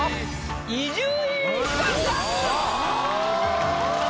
伊集院光さん！